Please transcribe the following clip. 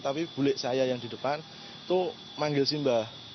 tapi bule saya yang di depan itu manggil simbah